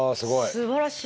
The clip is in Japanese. すばらしい。